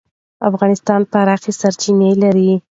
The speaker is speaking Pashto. افغانستان پراخې سرچینې لري.